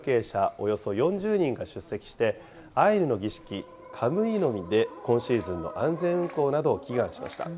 およそ４０人が出席して、アイヌの儀式、カムイノミで今シーズンの安全運航などを祈願しました。